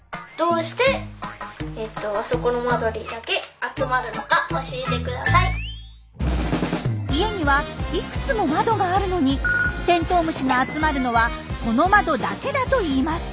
あとは家にはいくつも窓があるのにテントウムシが集まるのはこの窓だけだといいます。